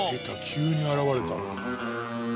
急に現れた。